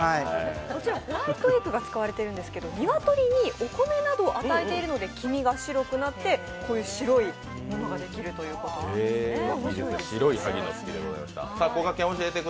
こちらはホワイトエッグが使われているんですけれども、鶏にお米などを与えているので黄身が白くなって、白いものができるということですね。